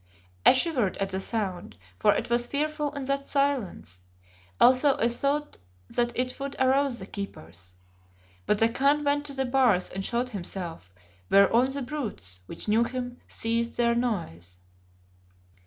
I shivered at the sound, for it was fearful in that silence, also I thought that it would arouse the keepers. But the Khan went to the bars and showed himself, whereon the brutes, which knew him, ceased their noise.